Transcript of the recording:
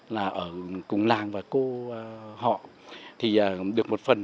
là ở cùng làng và cô họ thì được một phần